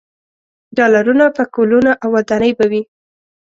ډالرونه، پکولونه او ودانۍ به وي.